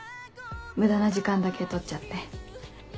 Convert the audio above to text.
無駄な時間だけとっちゃって。